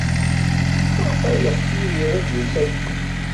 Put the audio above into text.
Maɣef ay yeɣs Yidir ad yels akken?